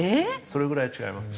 それぐらい違います。